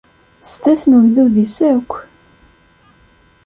Sdat n ugdud-is akk.